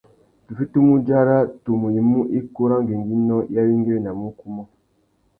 Tu fitimú udzara tumu i mú ikú râ ngüéngüinô i awéngüéwinamú ukú umô.